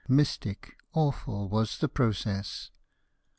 Mystic, awful was the process.